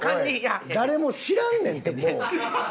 誰も知らんねんってもう。